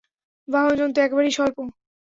বাহনজন্তু একেবারেই স্বল্প।